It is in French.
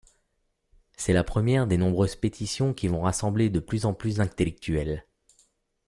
C'est la première des nombreuses pétitions qui vont rassembler de plus en plus d'intellectuels.